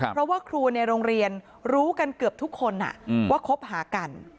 เพราะว่าครูในโรงเรียนรู้กันเกือบทุกคนว่าคบหากัน